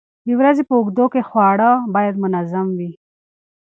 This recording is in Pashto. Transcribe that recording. د ورځې په اوږدو کې خواړه باید منظم وي.